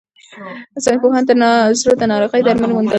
ساینس پوهانو د زړه د ناروغیو درمل وموندل.